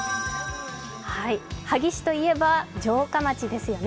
萩市といえば城下町ですよね。